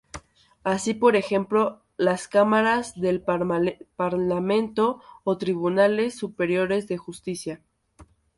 Así por ejemplo, las Cámaras del Parlamento, o Tribunales Superiores de Justicia.